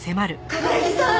冠城さん！